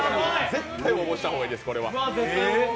絶対応募した方がいいです、これは。